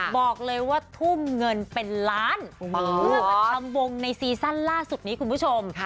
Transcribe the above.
บอกเลยว่าทุ่มเงินเป็นล้านเพื่อมาทำวงในซีซั่นล่าสุดนี้คุณผู้ชม